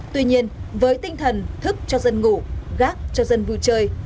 tuy nhiên với tinh thần thức cho dân ngủ gác cho dân vui chơi